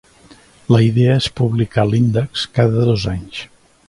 La idea és publicar l'index cada dos anys.